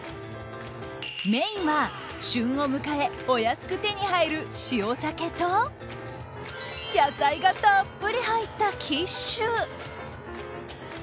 メインは旬を迎えお安く手に入る塩鮭と野菜がたっぷり入ったキッシュ。